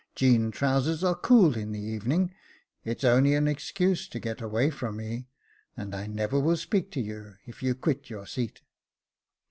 '* Jean trousers are cool in the evening ; it's only an excuse to get away from me, and I never will speak again to you, if you quit your seat."